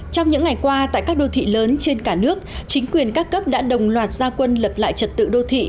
trong những ngày qua tại các đô thị lớn trên cả nước chính quyền các cấp đã đồng loạt gia quân lập lại trật tự đô thị